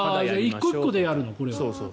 １個１個でやるの、これ。